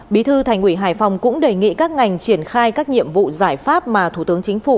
bí thư thành ủy hải phòng cũng đề nghị các ngành triển khai các nhiệm vụ giải pháp mà thủ tướng chính phủ